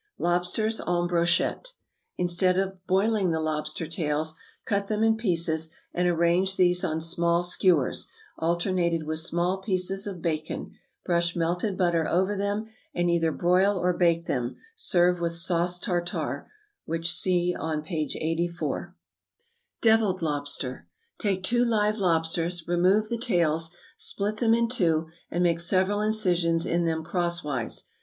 =Lobsters en Brochette.= Instead of boiling the lobster tails, cut them in pieces, and arrange these on small skewers, alternated with small pieces of bacon; brush melted butter over them, and either broil or bake them; serve with sauce tartare (which see on p. 84). =Deviled Lobster.= Take two live lobsters, remove the tails, split them in two, and make several incisions in them crosswise.